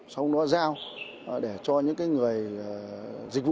xong nó giao để cho những người dịch vụ